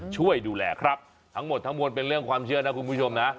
ช่วยดูแลครับทั้งหมดทั้งมวลเป็นเรื่องความเชื่อนะคุณผู้ชมนะ